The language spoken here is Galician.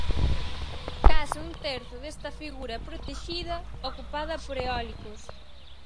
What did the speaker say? Case un terzo desta figura protexida, ocupada por eólicos.